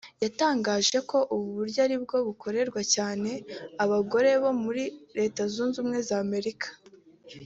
yatangaje ko ubu buryo aribwo bukorerwa cyane abagore bo muri Leta Zunze Ubumwe za Amerika